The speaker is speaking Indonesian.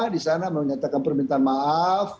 disana menyatakan permintaan maaf